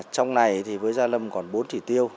trong này với già lâm còn bốn chỉ tiêu